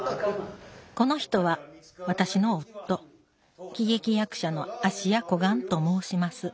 この人は私の夫喜劇役者の芦屋小雁と申します。